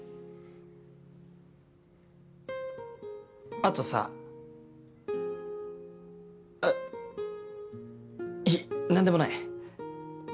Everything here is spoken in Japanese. あとさあっいい何でもない。